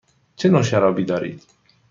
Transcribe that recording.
چه نوع شرابی دارید؟